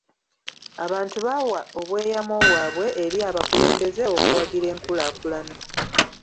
Abantu baawa obyeyamo bwabwe eri abakulembeze okuwagira enkulaakulana.